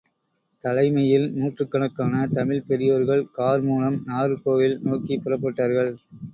தலைமையில் நூற்றுக்கணக்கான தமிழ்ப் பெரியோர்கள் கார்மூலம் நாகர்கோவில் நோக்கிப் புறப்பட்டார்கள்.